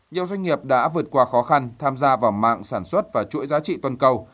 nhiều doanh nghiệp đã vượt qua khó khăn tham gia vào mạng sản xuất và chuỗi giá trị toàn cầu